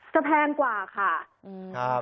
แพงกว่าค่ะ